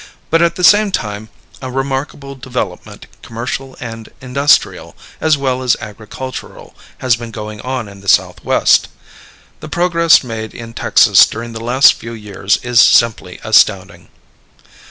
But at the same time a remarkable development, commercial and industrial, as well as agricultural, has been going on in the Southwest. The progress made in Texas during the last few years is simply astounding.